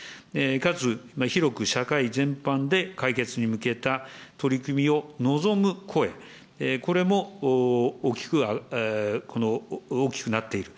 かつ広く社会全般で解決に向けた取り組みを望む声、これも大きくなっている。